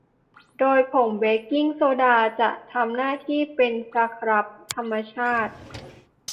โดยผงเบกกิ้งโซดาจะทำหน้าที่เป็นสครับธรรมชาติ